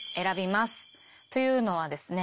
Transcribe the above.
というのはですね